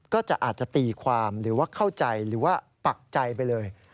อาจจะอาจจะตีความหรือว่าเข้าใจหรือว่าปักใจไปเลย